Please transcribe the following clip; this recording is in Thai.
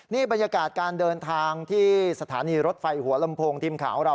นี่บรรยากาศการเดินทางที่สถานีรถไฟหัวลำโพงทีมข่าวของเรา